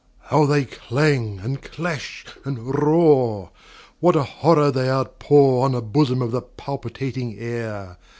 How they clang, and clash, and roar! What a horror they outpourOn the bosom of the palpitating air!